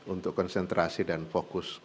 untuk konsentrasi dan fokus